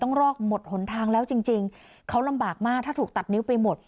รอกหมดหนทางแล้วจริงจริงเขาลำบากมากถ้าถูกตัดนิ้วไปหมด